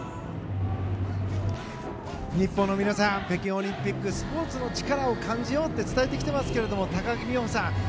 北京オリンピックスポーツの力を感じようって伝えてきていますけれども高木美帆さん